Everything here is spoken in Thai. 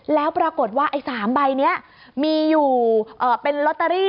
แล้วปรากฏว่าไอ้๓ใบนี้มีอยู่เป็นลอตเตอรี่